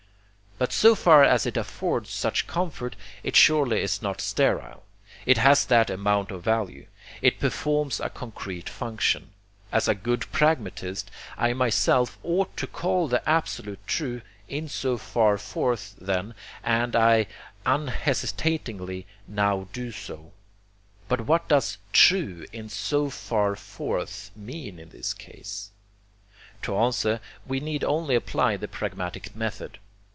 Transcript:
But so far as it affords such comfort, it surely is not sterile; it has that amount of value; it performs a concrete function. As a good pragmatist, I myself ought to call the Absolute true 'in so far forth,' then; and I unhesitatingly now do so. But what does TRUE IN SO FAR FORTH mean in this case? To answer, we need only apply the pragmatic method.